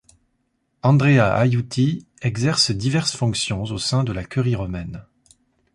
Andrea Aiuti exerce diverses fonctions au sein de la Curie romaine.